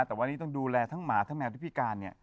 แต่วันนี้ต้องดูแลทั้งหมาทั้งแมวที่พิการ